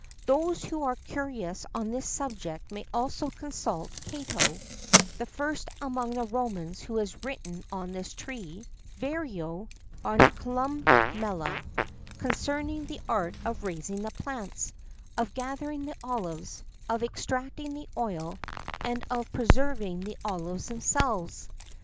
[XII 28] Those who are curious on this subject may also consult Cato (the first among the Romans who has written on this tree),[XII 29] Varro,[XII 30] and Columella,[XII 31] concerning the art of raising the plants, of gathering the olives, of extracting the oil, and of preserving the olives themselves.